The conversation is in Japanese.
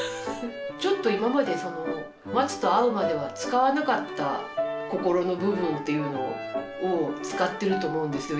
ちょっと今までその松と会うまでは使わなかった心の部分っていうのを使ってると思うんですよ